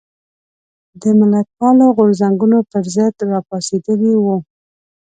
د ملتپالو غورځنګونو پر ضد راپاڅېدلي وو.